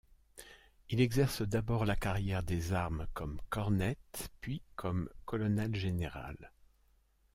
Il exerce d'abord la carrière des armes comme cornette puis comme Colonel-général.